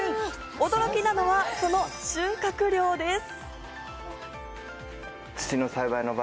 驚きなのは、その収穫量です。